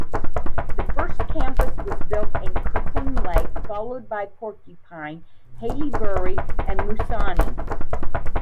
The first campus was built in Kirkland Lake, followed by Porcupine, Haileybury, and Moosonee.